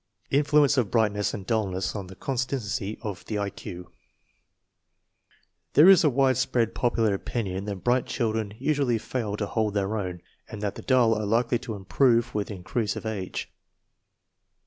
1 Influence of brightness and dullness on the con stancy of the I Q. There is a widespread popular opinion that bright children usually fail to hold their own, and that the dull are likely to improve with increase of age.